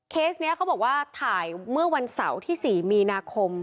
นี้เขาบอกว่าถ่ายเมื่อวันเสาร์ที่๔มีนาคม